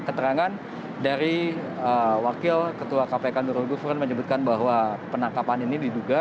keterangan dari wakil ketua kpk nurul gufron menyebutkan bahwa penangkapan ini diduga